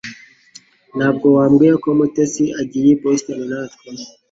Ntabwo wambwiye ko Mutesi agiye i Boston natwe